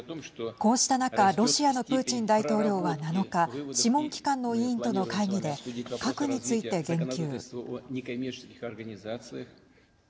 こうした中ロシアのプーチン大統領は７日諮問機関の委員との会議で核について言及。